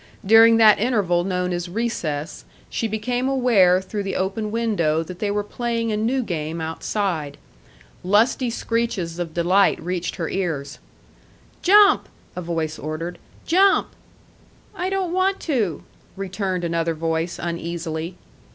During that interval known as recess, she became aware through the open window that they were playing a new game outside. Lusty screeches of delight reached her ears. "Jump!" a voice ordered. "Jump!" "I don't want to," returned another voice, uneasily.